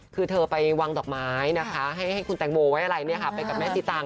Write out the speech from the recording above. คือเธอไปวางดอกไม้นะคะให้คุณแตงโมไว้อะไรไปกับแม่สีตาง